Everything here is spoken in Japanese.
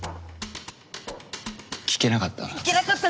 聞けなかった。